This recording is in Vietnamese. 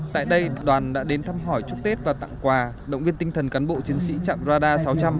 tại đây đoàn đã đến thăm hỏi chúc tết và tặng quà động viên tinh thần cán bộ chiến sĩ trạm radar sáu trăm linh